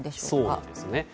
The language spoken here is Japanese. そうですね。